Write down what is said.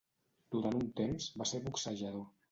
Durant un temps, va ser boxejador.